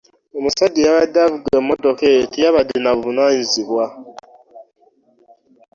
Omusajja eyabadde avuga emmotoka eyo teyabadde na buvunaanyizibwa.